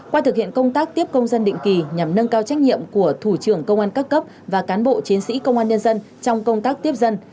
qua thực hiện công tác tiếp công dân định kỳ nhằm nâng cao trách nhiệm của thủ trưởng công an các cấp và cán bộ chiến sĩ công an nhân dân trong công tác tiếp dân